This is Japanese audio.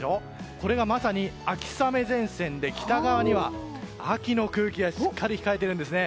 これがまさに秋雨前線で北側には秋の空気がしっかり控えているんですね。